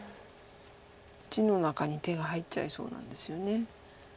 地の中に手が入っちゃいそうなんですよね。